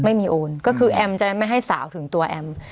ไม่มีโอนก็คือแอมม์จะไม่ให้สาวถึงตัวแอมม์